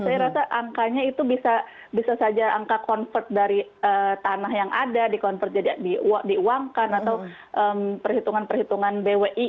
saya rasa angkanya itu bisa saja angka convert dari tanah yang ada di convert jadi diuangkan atau perhitungan perhitungan bwi